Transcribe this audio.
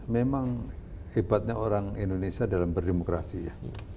memang hebatnya orang indonesia dalam berdemokrasi ya